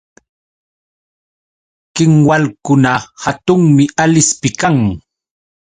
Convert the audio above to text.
Kinwalkuna hatunmi Alispi kan.